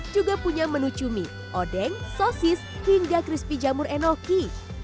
juga punya menu cumi odeng sosis hingga crispy jamur enoki